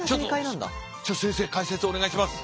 ちょっと先生解説お願いします。